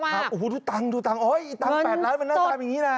ดูตังตัง๘ล้านมันน่าตามแบบนี้นะ